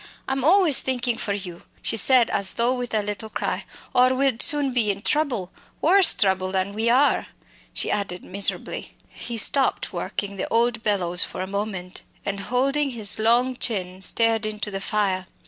I'm always thinkin' for you!" she said as though with a little cry, "or we'd soon be in trouble worse trouble than we are!" she added miserably. He stopped working the old bellows for a moment, and, holding his long chin, stared into the flames.